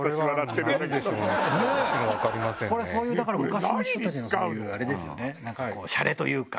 これそういうだから昔の人たちのそういうあれですよねなんかシャレというか。